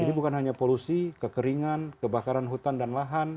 jadi bukan hanya polusi kekeringan kebakaran hutan dan lahan